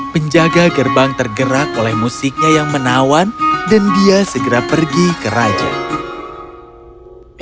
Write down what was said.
penjaga gerbang tergerak oleh musiknya yang menawan dan dia segera pergi ke raja